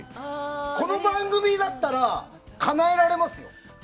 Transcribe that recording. この番組だったら、かなえられますよ。